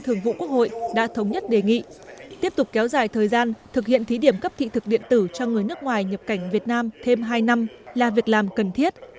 thường vụ quốc hội đã thống nhất đề nghị tiếp tục kéo dài thời gian thực hiện thí điểm cấp thị thực điện tử cho người nước ngoài nhập cảnh việt nam thêm hai năm là việc làm cần thiết